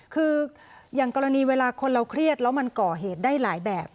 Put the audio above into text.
คืออย่างกรณีเวลาคนเราเครียดแล้วมันก่อเหตุได้หลายแบบ